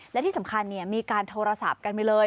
และที่สำคัญมีการโทรศัพท์กันไปเลย